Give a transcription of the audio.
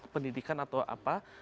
pendidikan atau apa